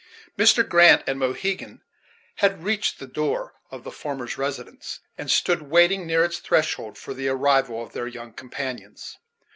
Mr. Grant and Mohegan had reached the door of the former's residence, and stood waiting near its threshold for the arrival of their young companions.